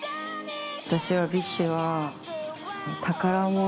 私はＢｉＳＨは宝モノ。